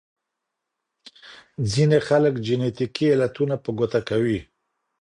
ځينې خلګ جينيټيکي علتونه په ګوته کوي.